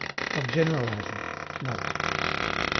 OF GENERALIZING [Note].